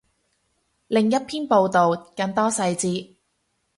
另一篇报道，更多细节